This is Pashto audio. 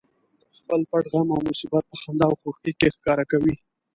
خپل پټ غم او مصیبت په خندا او خوښۍ کې ښکاره کوي